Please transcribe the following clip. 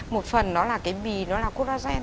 một phần nó là cái bì nó là collagen